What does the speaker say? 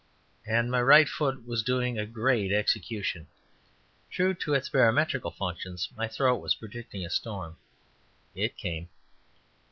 and my right foot was doing great execution. True to its barometrical functions, my throat was predicting a storm. It came.